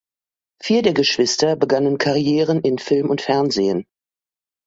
Vier der Geschwister begannen Karrieren in Film und Fernsehen.